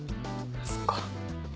そっか。